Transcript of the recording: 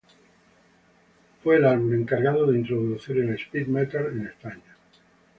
Fue el álbum encargado de introducir el speed metal en España.